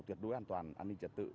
tuyệt đối an toàn an ninh trật tự